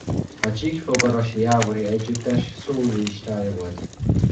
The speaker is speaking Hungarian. A Csík-Fogarasi-Jávori-együttes szólistája volt.